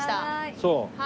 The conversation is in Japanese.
そう。